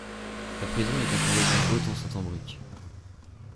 La prison est entourée d'une haute enceinte en briques.